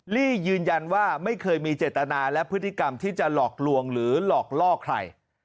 ลี่ยืนยันว่าไม่เคยมีเจตนาและพฤติกรรมที่จะหลอกลวงหรือหลอกล่อใคร